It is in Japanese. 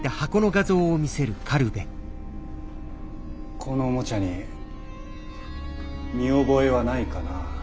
このおもちゃに見覚えはないかな？